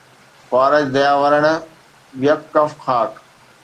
خوارج ديا ورڻ: يڪ ڪف- خاڪ